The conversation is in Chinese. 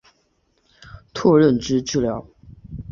括认知治疗。